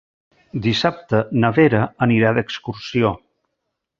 Dissabte na Vera anirà d'excursió.